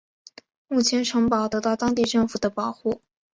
目前城堡得到当地政府的保护。